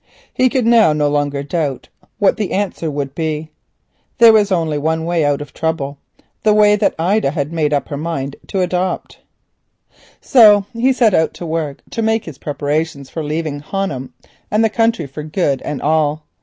He could now no longer doubt what the answer would be. There was only one way out of the trouble, the way which Ida had made up her mind to adopt. So he set to work to make his preparations for leaving Honham and this country for good and all.